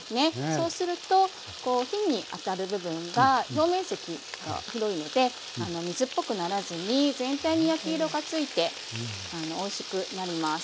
そうすると火に当たる部分が表面積が広いので水っぽくならずに全体に焼き色がついておいしくなります。